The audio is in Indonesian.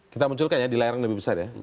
kita munculkan ya di layar yang lebih besar ya